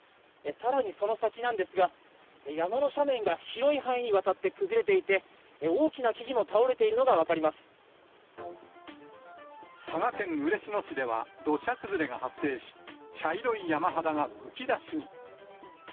さらにその先なんですが、山の斜面が広い範囲にわたって崩れていて、大きな木々も倒れてい佐賀県嬉野市では、土砂崩れが発生し、茶色い山肌がむき出しに。